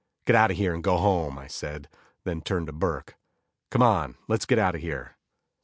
"Get out of here and go home," I said, then turned to Burke, "Come on, let's get out of here."